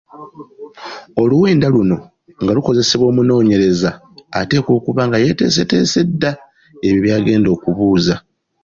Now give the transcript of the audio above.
Oluwenda luno nga lukozesebwa omunoonyereza ateekwa okuba nga yateeseteese dda ebyo by'agenda okubuuza.